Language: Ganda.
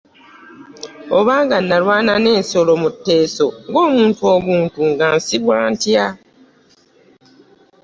Oba nga nnalwana n'ensolo mu Efeso ng'omuntu obuntu, ngasibwa ntya?